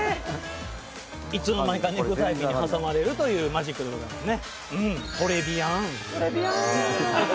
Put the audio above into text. いつの間にかネクタイピンに挟まれるというマジックでございますね。